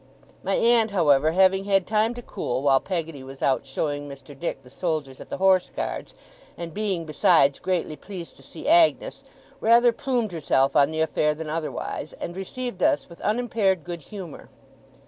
My aunt, however, having had time to cool, while Peggotty was out showing Mr. Dick the soldiers at the Horse Guards and being, besides, greatly pleased to see Agnes rather plumed herself on the affair than otherwise, and received us with unimpaired good humour.